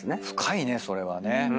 深いねそれはね。